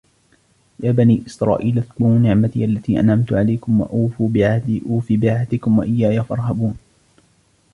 يا بني إسرائيل اذكروا نعمتي التي أنعمت عليكم وأوفوا بعهدي أوف بعهدكم وإياي فارهبون